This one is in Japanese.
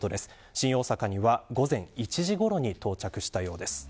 新大阪には、午前１時ごろに到着したようです。